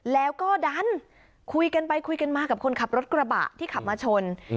แล้วก็ดันคุยกันไปคุยกันมากับคนขับรถกระบะที่ขับมาชน